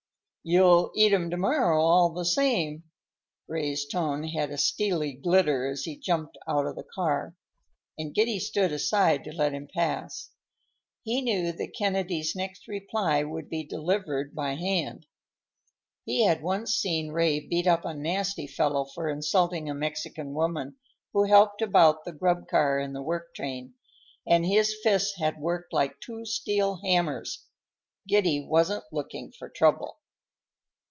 "You'll eat 'em to morrow, all the same." Ray's tone had a steely glitter as he jumped out of the car, and Giddy stood aside to let him pass. He knew that Kennedy's next reply would be delivered by hand. He had once seen Ray beat up a nasty fellow for insulting a Mexican woman who helped about the grub car in the work train, and his fists had worked like two steel hammers. Giddy wasn't looking for trouble.